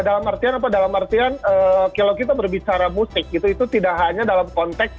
dalam artian apa dalam artian kalau kita berbicara musik gitu itu tidak hanya dalam konteks